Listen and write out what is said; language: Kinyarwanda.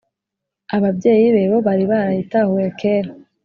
ababyeyi be bo bari barayitahuye kera,